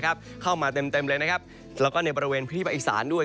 เหนือเข้ามาเต็มและภิพาอีสานด้วย